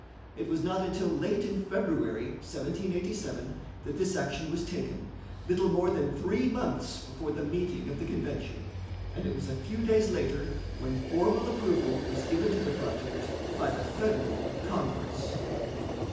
It was not until late in February, 1787, that this action was taken, little more than three months before the meeting of the convention, and it was a few days later when formal approval was given to the project by the Federal Congress.